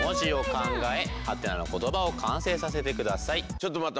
ちょっと待った！